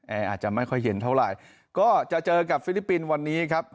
อาจจะไม่ค่อยเย็นเท่าไหร่ก็จะเจอกับฟิลิปปินส์วันนี้ครับ